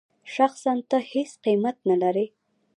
شخصاً ته هېڅ قېمت نه لرې.